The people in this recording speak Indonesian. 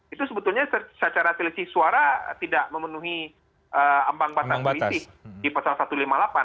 itu sebetulnya secara selisih suara tidak memenuhi ambang pasang koalisi di pasal satu ratus lima puluh delapan